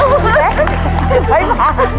ถูกครับ